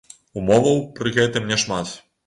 Умоваў пры гэтым няшмат.